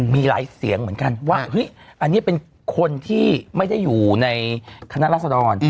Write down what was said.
มีหลายเสียงเหมือนกันว่าเฮ้ยอันนี้เป็นคนที่ไม่ได้อยู่ในคณะรัศดร